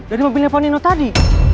dari mobilnya panino tadi